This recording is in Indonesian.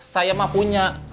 saya mah punya